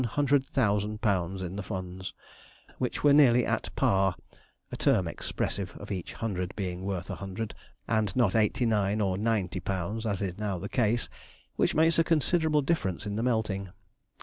_ in the funds, which were nearly at 'par' a term expressive of each hundred being worth a hundred, and not eighty nine or ninety pounds as is now the case, which makes a considerable difference in the melting.